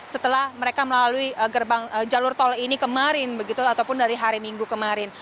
setelah mereka melalui jalur tol ini kemarin begitu ataupun dari hari minggu kemarin